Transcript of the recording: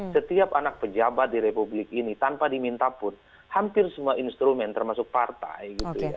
setiap anak pejabat di republik ini tanpa dimintapun hampir semua instrumen termasuk partai